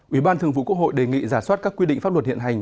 ủy ban thường vụ quốc hội đề nghị giả soát các quy định pháp luật hiện hành